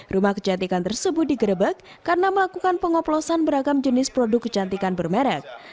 rumah kecantikan tersebut digerebek karena melakukan pengoplosan beragam jenis produk kecantikan bermerek